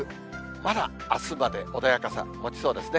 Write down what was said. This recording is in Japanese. まだあすまで穏やかさもちそうですね。